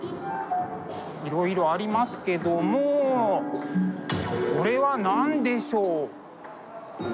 いろいろありますけどもこれは何でしょう？